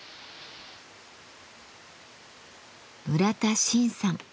村田森さん。